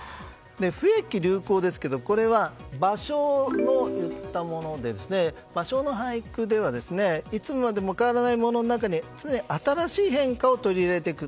不易流行ですがこれは芭蕉が言ったもので芭蕉の俳句ではいつまでも変わらないものの中に常に新しい変化を取り入れていく。